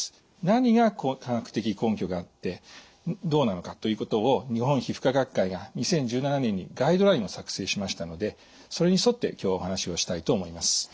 何が科学的根拠があってどうなのかということを日本皮膚科学会が２０１７年にガイドラインを作成しましたのでそれに沿って今日はお話をしたいと思います。